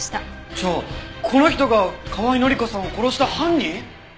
じゃあこの人が河合範子さんを殺した犯人！？